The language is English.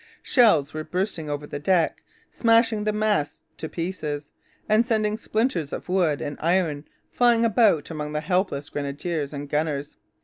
Shells were bursting over the deck, smashing the masts to pieces and sending splinters of wood and iron flying about among the helpless grenadiers and gunners.